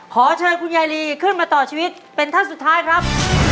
ขอเชิญคุณยายลีขึ้นมาต่อชีวิตเป็นท่านสุดท้ายครับ